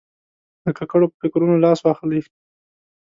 له ککړو فکرونو لاس واخلي.